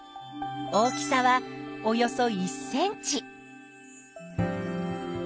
大きさはおよそ１ｃｍ。